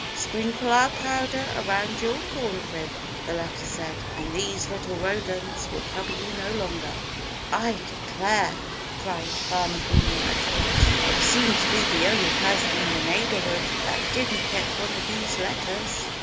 "Sprinkle our powder around your corn crib," the letter said, "and these little rodents will trouble you no longer." "I declare!" cried Farmer Green at last. "I seem to be the only person in the neighborhood that didn't get one of those letters."